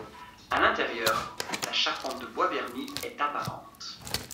À l’intérieur, la charpente de bois verni est apparente.